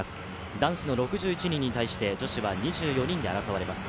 男子の６１人に対して女子は２４人で争われます。